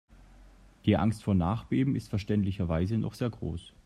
Die Angst vor Nachbeben ist verständlicherweise noch sehr groß.